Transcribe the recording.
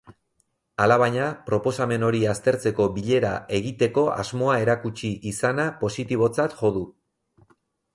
Alabaina, proposamen hori aztertzeko bilera egiteko asmoa erakutsi izana positibotzat jo du.